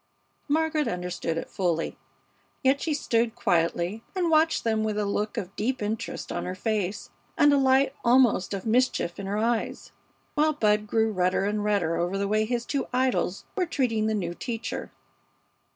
Margaret understood it fully. Yet she stood quietly and watched them with a look of deep interest on her face and a light almost of mischief in her eyes, while Bud grew redder and redder over the way his two idols were treating the new teacher.